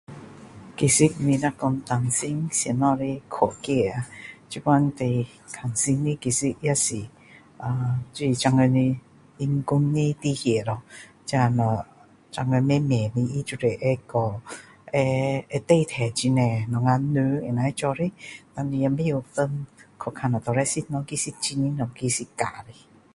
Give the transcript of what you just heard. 其实你若说担心什么的科技啊现在最担心的其实也是呃就是现今的人工的科技咯现今他就是说会慢慢的打代替很多我们人能做的你也不会去分到底哪一个是真的哪一个是假的